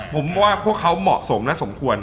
ผมว่าพวกเขาเหมาะสมและสมควร